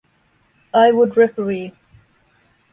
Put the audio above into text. I would referee.